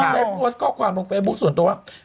แฟนบุ๊คส์ก็ความบอกแฟนบุ๊คส่วนตัวว่า